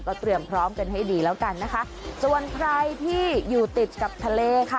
เตรียมพร้อมกันให้ดีแล้วกันนะคะส่วนใครที่อยู่ติดกับทะเลค่ะ